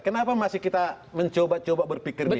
kenapa masih kita mencoba coba berpikir begini